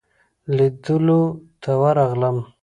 لیدلو ته ورغلم.